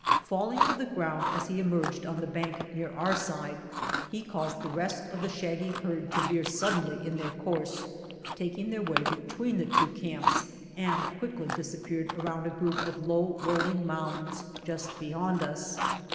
Falling to the ground as he emerged on the bank near our side, he caused the rest of the shaggy herd to veer suddenly in their course, taking their way between the two camps, and quickly disappeared around a group of low rolling mounds just beyond us.